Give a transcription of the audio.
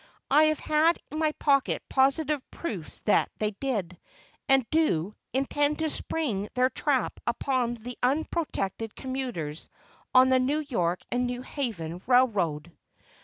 I have in my pocket positive proofs that they did, and do, intend to spring their trap upon the unprotected commuters on the New York and New Haven Railroad.